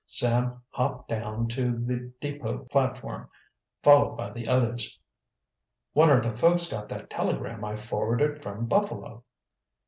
Sam hopped down to the depot platform, followed by the others. "Wonder if the folks got that telegram I forwarded from Buffalo?"